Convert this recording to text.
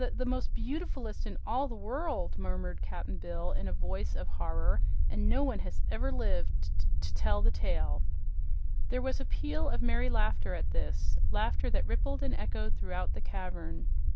"The most beauti ful est in all the world," murmured Cap'n Bill in a voice of horror, "an' no one has ever lived to to tell the tale!" There was a peal of merry laughter at this, laughter that rippled and echoed throughout the cavern.